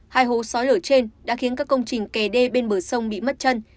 hai hố sói lở trên đã khiến các công trình kè đê bên bờ sông bị mất chân